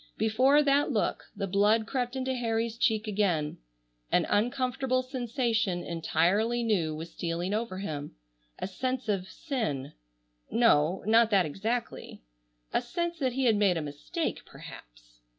Before that look the blood crept into Harry's cheek again. An uncomfortable sensation entirely new was stealing over him. A sense of sin—no, not that exactly,—a sense that he had made a mistake, perhaps.